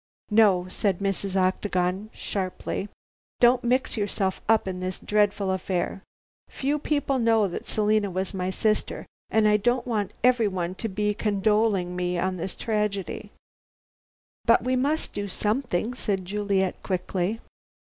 "No," said Mrs. Octagon sharply, "don't mix yourself up in this dreadful affair. Few people know that Selina was my sister, and I don't want everyone to be condoling with me on this tragedy." "But we must do something," said Juliet quickly.